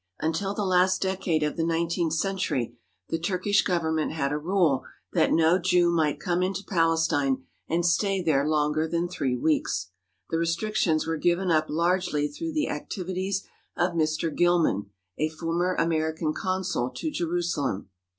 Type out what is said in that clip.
Until the last decade of the nineteenth century the Turkish Government had a rule that no Jew might come into Palestine and stay there longer than three weeks. The restrictions were given up largely through the ac tivities of Mr. Gilman, a former American consul to Jerusalem.